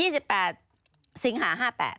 ๒๘สิงหา๕๘